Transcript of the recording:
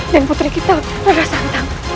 dan putri kita rada santan